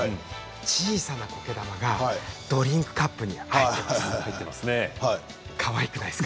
小さなこけ玉がドリンクカップに入っています。